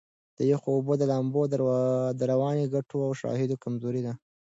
د یخو اوبو د لامبو د رواني ګټو شواهد کمزوري دي.